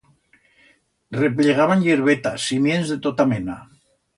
Repllegaban hierbetas, simients de tota mena.